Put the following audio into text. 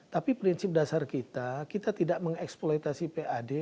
tapi prinsip dasar kita kita tidak mengeksploitasi pad